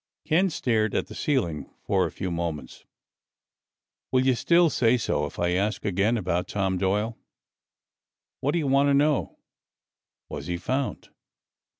Ken stared at the ceiling for a few moments. "Will you still say so if I ask again about Tom Doyle?" "What do you want to know?" "Was he found?"